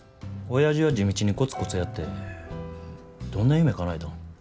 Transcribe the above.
おやじは地道にコツコツやってどんな夢かなえたん。